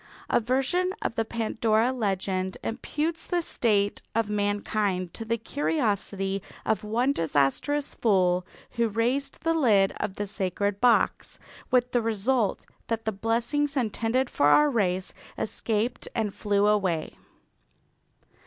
A version of the Pandora legend imputes the state of mankind to the curiosity of one disastrous fool who raised the lid of the sacred box, with the result that the blessings intended for our race escaped and flew away.